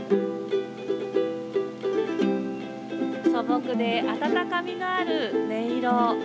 素朴で温かみのある音色。